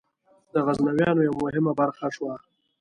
د غزنویانو یوه مهمه برخه شوه.